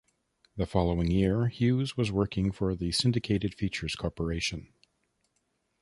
The following year, Hughes was working for the Syndicated Features Corporation.